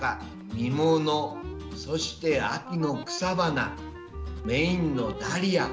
実もの、そして秋の草花メインのダリア。